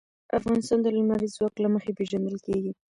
افغانستان د لمریز ځواک له مخې پېژندل کېږي.